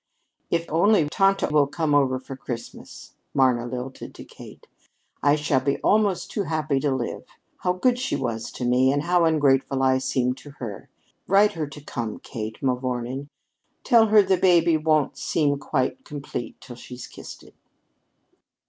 "If only tante will come over for Christmas," Marna lilted to Kate, "I shall be almost too happy to live. How good she was to me, and how ungrateful I seemed to her! Write her to come, Kate, mavourneen. Tell her the baby won't seem quite complete till she's kissed it."